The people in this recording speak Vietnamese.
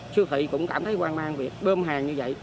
sưu thị cũng cảm thấy quan mang việc bơm hàng như vậy